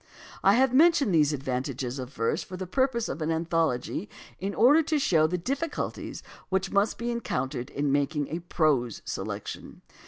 I have mentioned these advantages of verse for the purposes of an anthology in order to show the difficulties which must be encountered in making a prose selection.